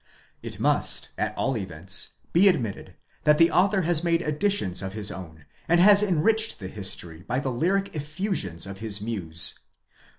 It must, at all events, be admitted that the author has made additions of his own, and has enriched the history by the lyric effusions of his muse.